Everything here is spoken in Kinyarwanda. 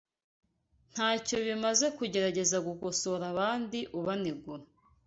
ntacyo bimaze kugerageza gukosora abandi ubanegura